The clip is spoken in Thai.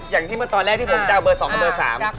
อย่างที่ตอนแรกที่ผมจะเอาเบอร์๒กับเบอร์๓